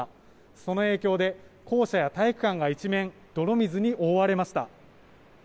その影響で校舎や体育館が一面、泥水に覆われました。